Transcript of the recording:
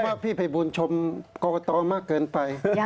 ว่าพี่ภัยบูลชมกรกตมากเกินไป